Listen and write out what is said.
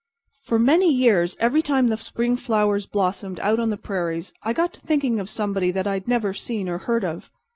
"For many years every time the spring flowers blossomed out on the prairies I got to thinking of somebody that I'd never seen or heard of.